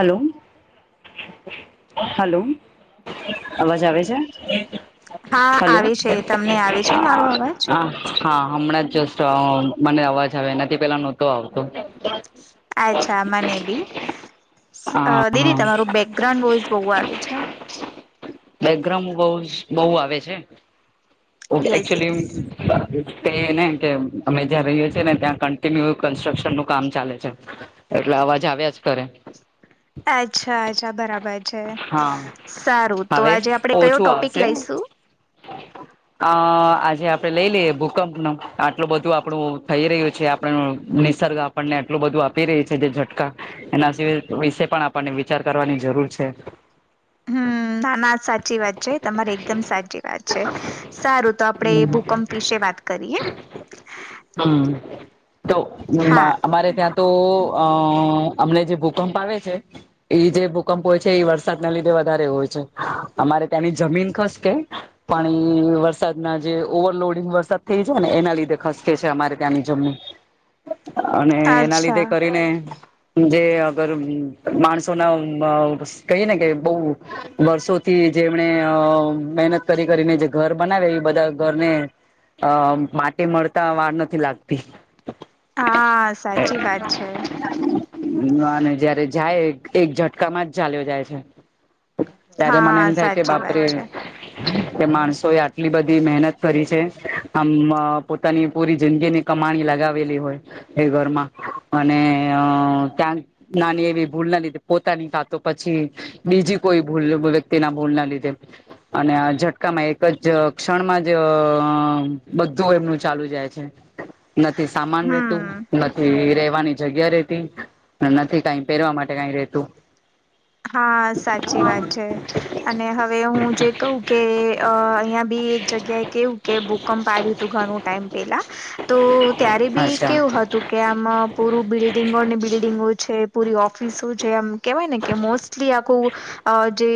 Hello, hello, અવાજ આવે છે. હા હલો, હ. આવે છે તમને આવે છે મારો અવાજ હા, હમણાં જ જોસ્ટ મને અવાજ આવે, એનાથી પેલા નહોતો આવતો. અચ્છા, મને બી. હા દીદી હા તમારું બેકગ્રાઉન્ડ વોઈઝ બહુ આવે છે. [unintelligible] બેકગ્રાઉન્ડ બહુ આવે છે, યસ એકચુલી. યસ એ ને કે, અમે જ્યાં રહીએ છીએ ને, ત્યાં કન્ટિન્યુ કન્સ્ટ્રક્શન નું કામ ચાલે છે. એટલે અવાજ આવ્યા જ કરે. અચ્છા, અચ્છા, બરાબર છે. હા સારું, તો હવે આજે આપડે કયો ટોપિક લઈશું? હ. અ આજે આપડે લઈ લઈએ, ભૂકંપ. ને આટલું બધું આપણું થઈ રહ્યું છે. આપ નિસર્ગ આપણને આટલું બધું આપી રહી છે, જે ઝટકા એના વિશે પણ આપણને વિચાર કરવાની જરૂર છે. હમ, ના, ના, સાચી વાત છે. તમારે એકદમ સાચી વાત છે. સારું, તો આપણે હમ ભૂકંપ વિશે વાત કરીએ. હમ, તો હા નમાં [unintelligible] અમારે ત્યાં તો, અ અમને જે ભૂકંપ આવે છે, એ જે ભૂકંપ હોય છે. એ વરસાદના લીધે વધારે હોય છે, અમારે ત્યાંની જમીન ખશ કે. પાણી, વરસાદના જે ઓવરલોડિંગ વરસાદ થઈ છે ને, એના લીધે ખસકે છે, અમારે ત્યાંની અને એના અચ્છા લીધે કરીને. જ અગર માણસોના કહી ને કે, બહુ વર્ષોથી જે એમણે મહેનત કરી કરીને ઘર બનાવે, એવા બધા ઘરને અ માટે મળતા વાર નથી લાગતી. હા, સાચી વાત છે. ના, જયારે જાય, એક ઝટકા માં જ ચાલ્યો જાય છે. ત્યારે મને હા એમ થાય કે સાચી વાત બાપોરે છે કે માણસો એ આટલી બધી મહેનત કરી છે, આમ પોતાની પૂરી જિંદગી ની કમાણી લગાવેલી હોય. એ ઘરમાં, અને ક્યાંક નાની એવી ભૂલ ના લીધી, પોતાની સાતો પછી, બીજી કોઈ ભૂલ વ્યક્તિ ના ભૂલ ના લીધે અને ઝટકામાં, એક જ ક્ષણમાં જ બધું એમનું ચાલ્યું જાય છે. નથી, સામાન રેતું હમ નથી. એ રેવાની જગ્યા રેતી નથી, કંઈ પહેરવા માટે કંઈ રેતું નથી. હા, સાચી વાત છે. અને હવે હું જે કવું કે અહિયાં બી એક જગ્યાએ કેવું કે ભૂકંપ આવ્યું હતું, ઘણું ટાઈમ પેલા, તો ત્યારે બી અચ્છા કેવું હતું. કે, આમ પૂર બિલ્ડિંગોને, બિલ્ડિગો છે, પૂરી ઓફિસો છે, આમ કેવાય ને કે મોસ્ટલી આખું અ જે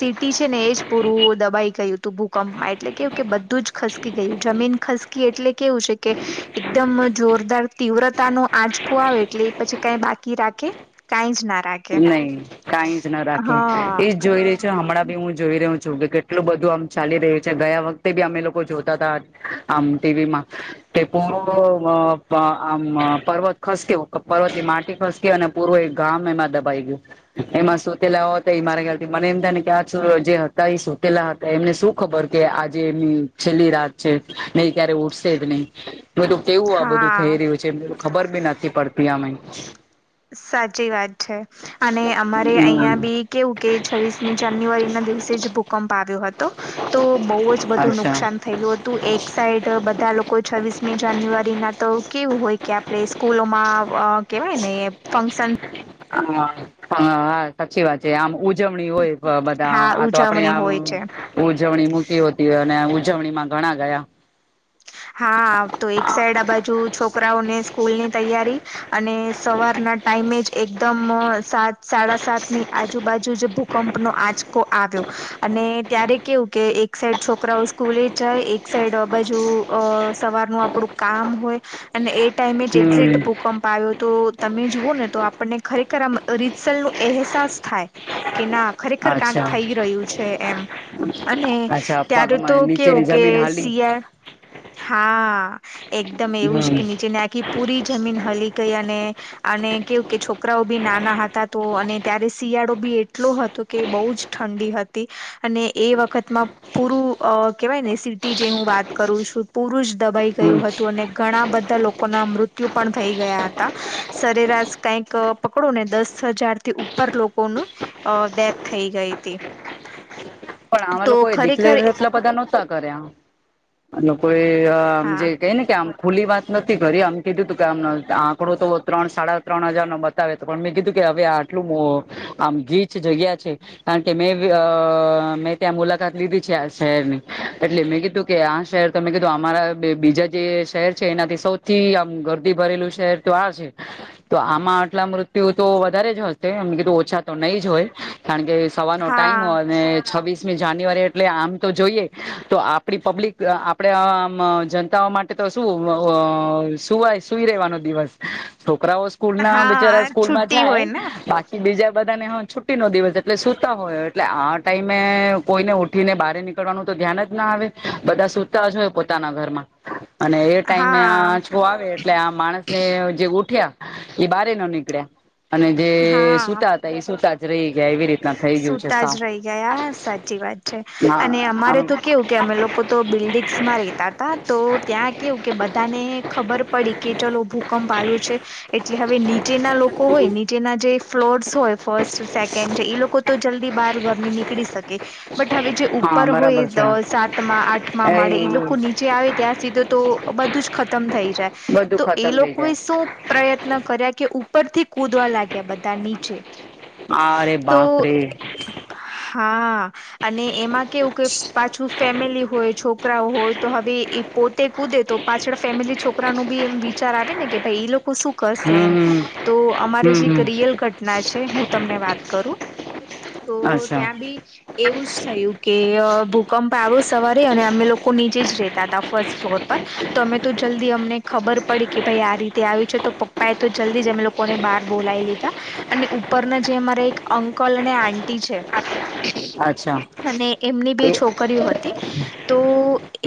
સીટી છે ને એજ પૂરું દબાઈ ગયું હતું ભૂકંપમાં એટલે કેવું કે બધું જ ખસ ગયું જમીન ખસકી એટલે કેવું છે કે એકદમ જોરદાર તીવ્રતા ન આજ આવે એટલે એ પછી ક બાકી રાખે કઈ જ ના રાખે નહી કાઈ જ ના રાખે હા એ જોઈ રહી છે હમણાં બી હું જોઈ રહ્યો છું કે કેટલું બધું આમ ચાલી રહ્યું છે ગયા વખતે બી અમે લોકો જોતા હતા. આમ ટીવી મા તે પૂરો આમ પર્વત ખસત પર્વત ની માટી ખસતી અને પૂર એક ગામ એમાં દબાઈ ગયું એમાં સુતે લ એ મારા ગથી મને એમ થાય ને્યા જે હતા એ સોતેલા હતા એમને શું ખબર કે આજે એમની છેલ્લી રાત નહી ક્યારે ઉઠશે જ નહી બધું કેવું આ બધું થઈ હા રહ્યું છે. ખબર બી નથી પડતી આમે સાચી વાત છે અને અમારે હમ અહં બી કેવું કે છવ્વીસમી જાન્યુઆરી ના દિવસે જે બુક ભૂકંપ આવ્યો હતો તો બહુ જ બધું અચ્છા નુકસાન થયેલું હતું એક સાઈડ બધા કોઈ છવ્વીસમી જાન્યુઆરી ના તો કેવું હોય કે આપણે સ્કૂલોમાં કેહેવાય ને ફંક્શન હા હા હા સાચી વાત છે આમ ઉજવણી હોય બધા હા આ તો આપણેે ઉજવણી આમ હોય છે ઉજવણી મૂકી હોતી હોય અને ઉજવણીમાં ઘણા ગયા. હા તો એક સાઈડ આ બાજુ છોકરાઓને સ્કૂલ ની તૈયારી અને સવારના ટાઈમે જ એકદમ સાત સાડા સાત ની આજુબાજુ ભૂકંપનો આચકો આવ્યો અને ત્યારે કેવું કે એક સાઈડ છોકરાઓ સ્કૂલે જ જાય એક સાઈડ આ બાજુ અ સવારનું આપડું કામ હોય અને એ ટાઈમે જ એક્ઝિટ હમ બુક ભૂકંપ આવ્યો તો તમે જુવઓ ને તો આપણને ખરેખર આ રીચલ નો અહેસાસ થાય. કે ના ખરેખર ક્યાંક અચ્છા થઈ રહ્યું છે એમ અને અચ્છા ત્યારે તો પગમાં નીચેની કેવું કે જમીન હાલી શિયાળ હા એકદમ એવું જ હમ કે નીચેને આખી પૂરી જમીન હલી ગઈ અને અને કેવું કે છોકરાઓ બી નાના હતા તો અને ત્યારે શિયાળો બી એટલો હતો કે બહુ જ ઠંડી હતી અને એ વખતમાં પૂરું અ કેવાય ને સિટી જે હું વાત કરું છું. પુરુષ દબાઈ હમ ગયું હતું અને ઘણા બધા લોકો ના મૃત્યુ પણ થઈ ગયા હતા સરેરાશ કઈક પકડો ને દસ હજાર થી ઉપર લોકોનું ડેથ થઈ ગઈ હતી. પણ આમાં તો લોકો એ દેખ લ ખરેખર એતલ બધા નહોતા કર્યા અને કોઈ હા જે કઈ ને કે આમ ખુલી વાત નથી કરીરી આમ કીધું તું કે આમ આંકડો તો ત્રણ સાડા ત્રણ હજાર નો બતાવે તો પણ મેં કીધું કે હવે આટલું આમ ગીચ જગ્યા છે. કારણ કે મે આ મે ત્યાં મુલાકાત લીધી છે આ શહેર ની એટલે મેં કીધું કે આ શહેર તમે કીધું અમારા બીજા જે શહેર છે એનાથી સૌથી આમ ગરદી ભરેલું શહેર તો આ છે. તો આમાં આટલા મૃત્યુ તો વધારે જ હશે એમ કીધું ઓછા તો નહી જ હોય કારણકે થવાનો હા ટાઈમ અને છવીસ જાન્યુઆરી એટલે આમ તો જોઈએ તો આપણી પબ્લિક આપણે આમ જનતાઓ માટે તો શું સુવાય સુઈ રેવાનો દિવસ છોકરાઓ સ્કૂલ ના બચારા હા સ્કૂલમાં છુટ્ટી હોય ને જાય બાકી બીજા બધા ને હ છુટ્ટી નો દિવસ એટલે સુતા હોય એટલે આ ટાઈમે કોઈને ઉઠી ને બહાર નીકળવાનું તો ધ્યાન જ ના આવે બધા સુતા જોય પોતાના ઘરમાં અને એ ટાઈમે આ હા આંચકો આવે એટલે આ માણસ ને જે ઉઠ્યા એ બારે ન નીકળ્યા અને જે હા સુતા હતા એ સુુંતાજ રહી ગયા એવી રીતના થઈ ગયું છે સુતા જ રહી ગયા સાફ સાચી વાત છે. આમ બિલ્ડંગસમાં રતા હતા તો ત્યાં કેવું કે બધાને ખબર પડી કે ચલો ભૂકંપ આવ્યો છે એટલે હવે નીચેના લોકો હોય નીચેના જે ફ્લોર્સ હોય ફર્સ્ટ સે કે છે એ લોકો તો જલ્દી બહાર ઘર ની નીકળી શકે. બટ હવે જે હા ઉપર બરાબર છે હોય સાતમાં આઠમાં માળે એ લોકો નીચે આવે ત્યાં સીધો તો બધું જ ખતમ થઈ જાય બધું તો એ ખતમ થઈ લોકોએ જાય શું પ્રયત્ન કર્યા કે ઉપરથી કુદવા લાગ્યા બધા નીચે અરે તો બાપરે હા અને એમાં કેવું પાછું ફેમિલી હોય છોકરાઓ હોય તો હવે એ પોતે કૂદે તો પાછળ ફેમિલી છોકરા છોકરા ન બી એમ વિચાર આવે ને કે ભાઈ એ લોકો શું શે એમ હમ તો અમારી હમ જે એક હમ રિયલ ઘટના છે હું તમને વાત કરું તો અચ્છા ત્યાં બી એવું જ થયું કે ભૂકંપ આવ્યો સવારે અને અમે લોકો નીચે જ રેતા હતા ફર્સ્ટ ફ્લોર તો અમે તો જલ્દી અમને ખબર પડી કે ભાઈ આ રીતે આવી છે તો પપ્પા એ તો જલ્દીમે લોકો લોકોને બાર બોલાવી લીધા અને ઉપરના જે અમારા એક અંકલ અને આટીી છે અચ્છા અને એમની બે એ છોકરીઓ હતી તો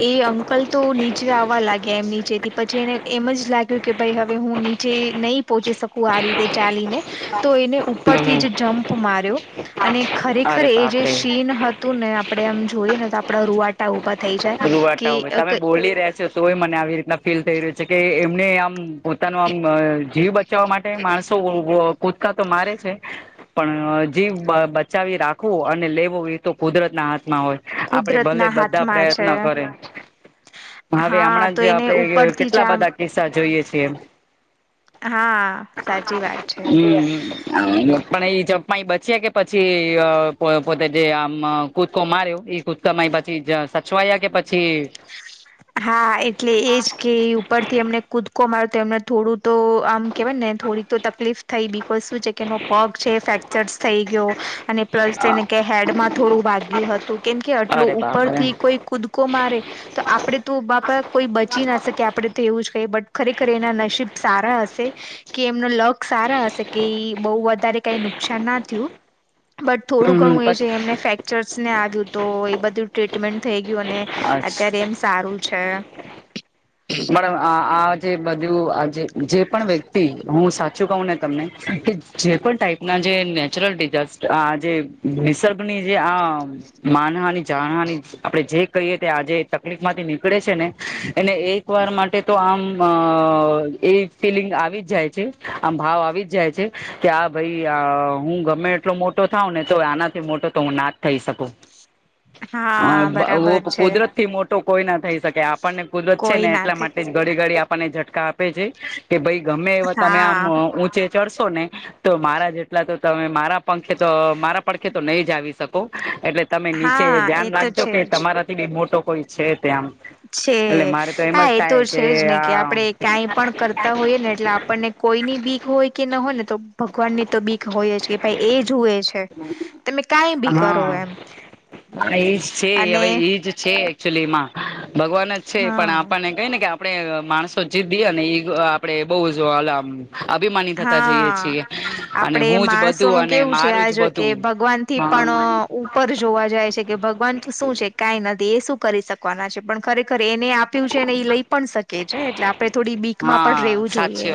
એ અંકલ તો નીચે આવવા લાગ્યા એમ નીચેથી પછી એને એમ જ લાગ્યું કે ભાઈ હવે હું નીચે નહી પહોચી શકું આ રીતે ચાલીને તો એને હમ ઉપરથી હમ જ જમ્પ માર્યો અને ખરેખર અરે એ જે બાપરે સીન તું ને આપણે એમ જોઈએ ને તો આપડે રુવા ઉભા થઈ વાતા હો તમે બોલી રહ્યા છો તોય મને આવી રીતના ફીલ થઈ રહ્યું છે કે એમને આમ પોતાનો આમ જીવ બચાવવા માટે માણસો કૂદકા તો મારે છે પણ જી બચાવી રાખવો અને લેવો એ તો કુદરત ના હાથમાં હોય આપડે કુદરત ભલે ના બધા હાથમાં પ્રયત્ છે કરે હવે હા હમણાં તો જ એને આપડે ઉપરથી જ કેટલા આમ બધા પસાા જોઈએ છીએ એમ હા સાચી વાત છે હમ પણ એ ચપાઈ બચ્યા કે પછી પોતે જે આમ કૂદકો માર્યો એ ક પછી સચવાયા કે પછી હા એટલે એજ કે ઉપરથી અમને કૂદકો માર તો એમને થોડું તો આમ કેહેવાય ને થોડી તો તકલીફ થઈ બી કોઈ શું છે કે પગ છે ફેક્ચર થઈ ગયો અને પ્લસ તેને ક હેડમાં થોડું વાગ્યું હતું કેમ કે આટલું અરે બાપરે ઉપરથી કોઈ કુદકો મારે તો આપડે તો બાપા કોઈ બચી ના શકે આપણેે તો એવું જ કહીએ બટ ખરેખર એના નસીીબ સારા હશે કે એમનો લગ સારા હશે કે બહુ વધારે કઈ નુકસાન ના થયું બટ થોડું હમ હમ ઘણું એ છે પછી એમને ફેક્ચર્સ ને આવ્યું તો એ બધું ટ્રીટમેન્ટ થઈ ગયું અને અત્યારે એમ સારું છે આ જે બધું જે પણ વ્યક્તિ હું સાચું કહું ને તમને કે જે પણ ટાઈપના જે નેચરલ ડિઝાસ્ટ આ જે નિસર્ગની જે આમ માનહાની જાણહાની આપડે જે કહીએ તે આજે તકલીફ માંથી નીકળે છે ને એને એ વાર માટે તો આમ એ ફીલિંગ આવી જ જાય છે આમ ભાવ આવી જ જાય છે કે આ ભાઈ આ હું ગમે એટલો મોટો થઉ ને તો આનાથી મોટો તો હું ના જ થઈ શકું હા બરાબર હ છે કુદરત થી મોટી તો કોઈ ના થઈ શકે આપણને કુદરત છે કોઈ ને ના એટલા થઈ માટે જ ઘડી ગડી આપણને ઝટકા આપે છે કે ભાઈ ગમે એવા તમે આમ હા ઊંચે ચડશો ને તો મારા જેટલા તો તમે મારા પંખે તો મારા પડખે તો નહી જ આવી શકો એટલે તમે નીચે હા એ ધ્યાન તો રાખજો છે કે જ તમારા મોટો કોઈ છે ત્યાં છે એટલે મારે તો એમ જ હા તો થાય છે જ ને કે આ આપડણે કાંઈ પણ કરતા હોઈએ ને એટલે આપણને કોઈની બીક હોય કે ન હોય ને તો ભગવાન ની તો બી હોય જ કે ભાઈ એ જુએ છે તમે કઈ બી કરો હા એમ એજ છે અને હવે ઈજ છે, એકચુલીમાં ભગવાન જ છે પણ હા આપણ કઈને કે આપણે માણસો જીતએ ને એ આપડે બહ જમ અભિમાની થતા જઈએ હા છીએ અને આપડે હું જ બધું માણસોનું અને કેવું છે મારું આ જ જો કે બધું. ભગવાન થી હા પણ પર જોવા જાય છે કે ભગવાન શું છે કંઈ નથી એ શું કરી શકવાના છે, પણ ખરેખર એને આ આપ્યું છે ને ઈ લઈ પણ શકે છે એટલે આપડે થોડી બીક માં પણ રહેેવું જોઈએ.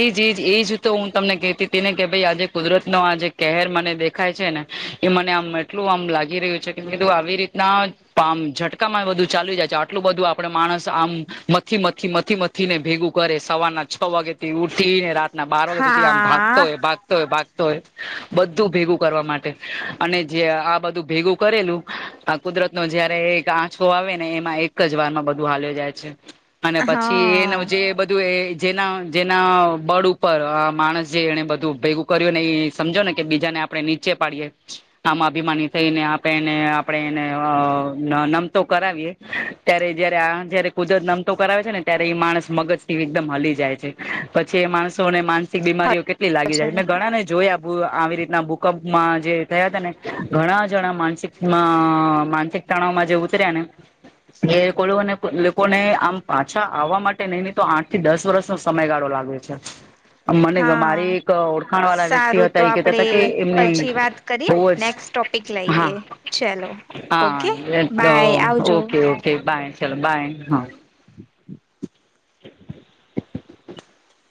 એજજ એજ તો હું તમને કહતીને કે ભાઈ આજે કુદરત નો આ જે કહેર મને દેખાય છે ને એ મને આમ એટલું આમ લાગી રહ્યું છે કે કીધું આવી રીતના પામ ઝટકામાં બધું ચાલલી જાય છે આ આટલું બધું આપડે માણસ આમ મથી મથી મથી ને ભેગું કરે સવારના છ વાગે થી ઉ સીને રાતના બાર વાગ્યા સુધી આમ ભાગતો હા હોય, ભાગતો હોય ભાગ ય બધું ભેગું કરવા માટે અને જે આ બધું ભેગું કરેલું કુદરતનો જયારે એક આંચો આવે ને એમાં એક જ વાર માં બધું હાલ્યો જાય છે અને પછી એનું હા જે બધું એ જેના જેના બળ ઉપર આ માણસ, જે એણે બધું ભેગું કર્યું ને એ સમજોને કે બીજાને આપણે નીચ ચે પાડીએ આમાં અભિમાની થઈને આપે એને આપડે એને નમતો કરાવીએ ત્યારે જયારે આ જયારે કુદરત નમતો કરાવે છે, ને ત્યારે એ માણસ મગજ થી એકદમ હલી જાય છે. પછી એ માણસોને માનસિક બીમારીઓ કેટ લી લાગી જાય મેં ગણા ને જોયા આવી રીતના ભૂકંપ જે થયા હતા ને ઘણા જણા માનસિક માનસિક તણાવમાં જે ઉતર્યા ને એ કોને લોકોને આમ પાછા આવવા માટે નહ ની તો આઠ થી દસ વર્ષનો સમયગાળો લાગે છે. મને મારી હા એક ઓળખાણ વાળા વ્યક્તિ સારું તો હતા એ કેહેતા આપડે હતા કે એમને પછી વાત કરીએ નેક્સ્ટ ટોપિક બવજ હા લઈએ ચલો હા ઓકે બાય આવજો. ઓકે ઓકે બાય ચાલો બાય હા. [inaudible] [inaudible]